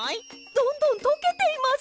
どんどんとけています！